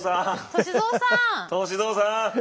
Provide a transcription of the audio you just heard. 歳三さん。